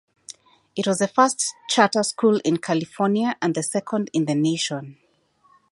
It was the first charter school in California and the second in the nation.